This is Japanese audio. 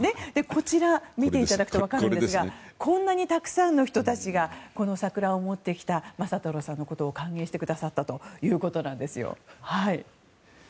こちら、見ていただくと分かるんですがこんなにたくさんの人たちがこの桜を持ってきた昌太郎さんのことを歓迎してくださったということなんですよ。